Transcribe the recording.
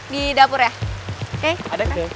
di dapur ya ada kek